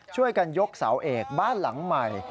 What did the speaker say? ช่วยกันยกเสาเอกบ้านหลังใหม่